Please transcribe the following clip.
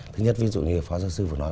thứ nhất ví dụ như là phó giáo sư vừa nói